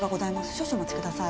少々お待ちください。